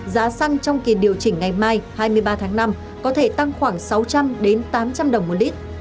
giá xăng trong kỳ điều chỉnh ngày mai hai mươi ba tháng năm có thể tăng khoảng sáu trăm linh đến tám trăm linh đồng một lít